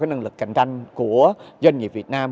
năng lực của doanh nghiệp việt nam